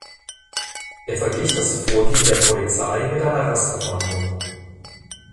Er verglich das Vorgehen der Polizei mit einer Rasterfahndung.